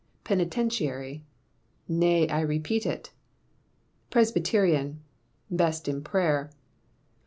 Penitentiary............Nay I repeat it. Presbyterian............Best in prayer.